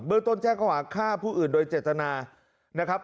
ต้นแจ้งเขาหาฆ่าผู้อื่นโดยเจตนานะครับ